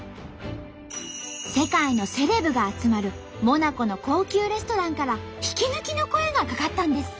世界のセレブが集まるモナコの高級レストランから引き抜きの声がかかったんです。